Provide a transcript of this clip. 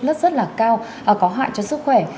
lất rất là cao và có hại cho sức khỏe